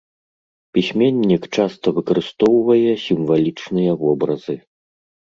Пісьменнік часта выкарыстоўвае сімвалічныя вобразы.